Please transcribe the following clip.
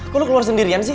kok lo keluar sendirian sih